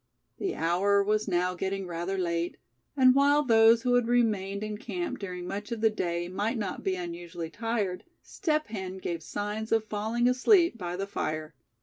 The hour was now getting rather late, and while those who had remained in camp during much of the day might not be unusually tired, Step Hen gave signs of falling asleep by the fire.